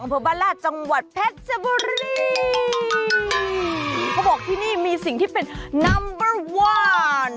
อำเภอบ้านราชจังหวัดแพทย์สบุรีเขาบอกที่นี่มีสิ่งที่เป็นนัมเบอร์วอร์น